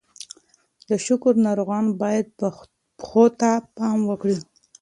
د شکر ناروغان باید پښو ته پام وکړي.